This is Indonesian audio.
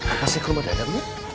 apa sih ke rumah dadangnya